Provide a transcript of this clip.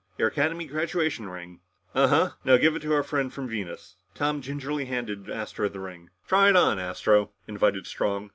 "Your Academy graduation ring." "Uh huh. Now give it to our friend from Venus." Tom gingerly handed Astro the ring. "Try it on, Astro," invited Strong.